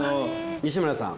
西村さん